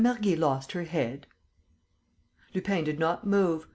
Mergy lost her head?" Lupin did not move.